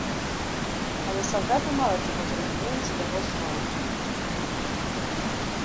Але салдаты мала чаго зразумелі з яго слоў.